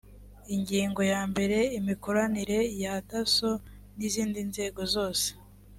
ingingo ya mbere imikoranire ya dasso n izindi nzego zose